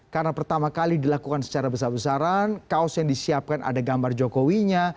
karena pertama kali dilakukan secara besar besaran kaos yang disiapkan ada gambar jokowinya